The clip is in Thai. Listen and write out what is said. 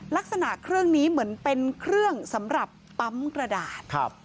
ลักษณะเครื่องนี้เหมือนเป็นเครื่องสำหรับปั๊มกระดาษ